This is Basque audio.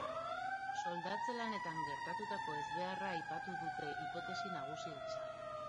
Soldatze lanetan gertatutako ezbeharra aipatu dute hipotesi nagusi gisa.